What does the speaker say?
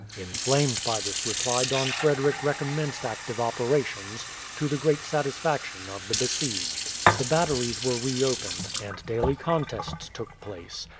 Inflamed by this reply Don Frederick recommenced active operations, to the great satisfaction of the besieged. The batteries were reopened, and daily contests took place.